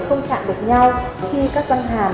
không chạm được nhau khi các răng hàm